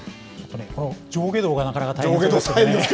この上下動がなかなか大変そうでした。